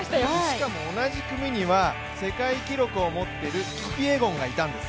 しかも同じ組には世界記録を持ってるキプイエゴンがいたんです。